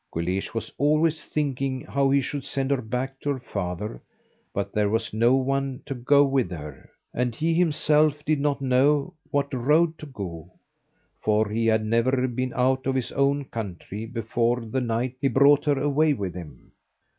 Guleesh was always thinking how he should send her back to her father; but there was no one to go with her, and he himself did not know what road to go, for he had never been out of his own country before the night he brought her away with him.